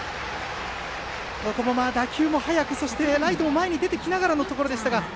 ここも打球は速くライトも前に出てきながらのところでした。